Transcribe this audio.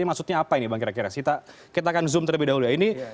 maksudnya apa ini bang kira kira kita akan zoom terlebih dahulu ya